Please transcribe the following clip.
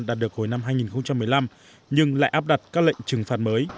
đạt được hồi năm hai nghìn một mươi năm nhưng lại áp đặt các lệnh trừng phạt mới